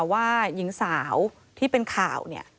ว่าหญิงสาวที่เป็นข่าวเนี่ย